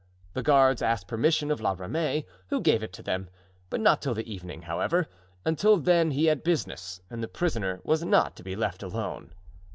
The guards asked permission of La Ramee, who gave it to them, but not till the evening, however; until then he had business and the prisoner was not to be left alone.